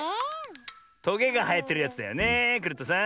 トゲがはえてるやつだよねえクルットさん。